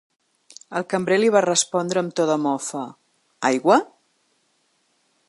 El cambrer li va respondre amb to de mofa: Aigua?